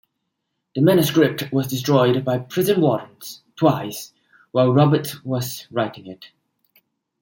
The manuscript was destroyed by prison wardens, twice, while Roberts was writing it.